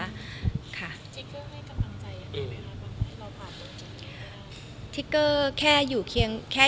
ทิกเกอร์ให้กำลังใจอย่างไรครับให้เราผ่านลูกจากกี้ได้ไหม